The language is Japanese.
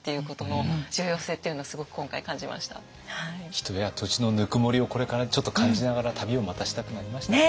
人や土地のぬくもりをこれからちょっと感じながら旅をまたしたくなりましたね。